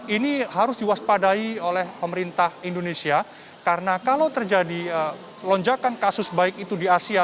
ini harus diwaspadai oleh pemerintah indonesia karena kalau terjadi lonjakan kasus baik itu di asia